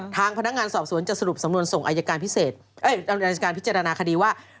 ทางพนักงานสอบสวนจะสรุปสำนวนส่งอายการพิจารณาคดีว่า